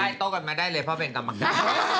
ใต้โต๊ะกันมาได้เลยเพราะเป็นกำลังใจ